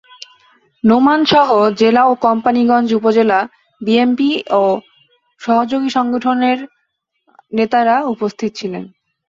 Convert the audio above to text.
নোমানসহ জেলা ও কোম্পানীগঞ্জ উপজেলা বিএনপি ও সহযোগী সংগঠনের নেতারা উপস্থিত ছিলেন।